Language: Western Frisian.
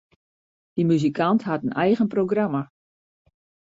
Dy muzikant hat in eigen programma.